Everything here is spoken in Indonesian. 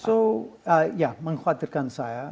so ya mengkhawatirkan saya